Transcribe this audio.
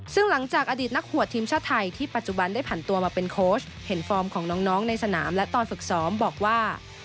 ซึ่งหลังจากอดีตนักหัวทีมชาติไทยที่ปัจจุบันได้ผ่านตัวมาเป็นโค้ชเห็นฟอร์มของน้องในสนามและตอนฝึกซ้อมบอกว่า